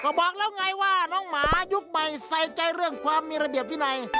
ก็บอกแล้วไงว่าน้องหมายุคใหม่ใส่ใจเรื่องความมีระเบียบวินัย